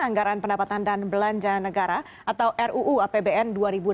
anggaran pendapatan dan belanja negara atau ruu apbn dua ribu delapan belas